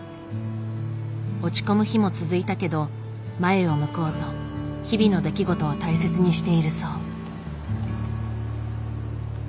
落ち込む日も続いたけど前を向こうと日々の出来事を大切にしているそう。